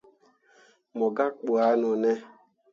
Mo gak ɓu ah none.